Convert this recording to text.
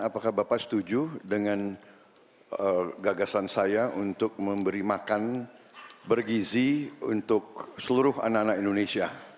apakah bapak setuju dengan gagasan saya untuk memberi makan bergizi untuk seluruh anak anak indonesia